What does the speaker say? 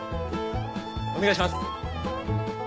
お願いします。